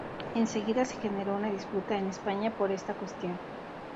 Enseguida se generó una disputa en España por esta cuestión.